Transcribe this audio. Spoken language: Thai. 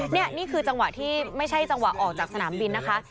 นี่นี่คือจังหวะที่ไม่ใช่จังหวะออกจากสนามบินนะคะ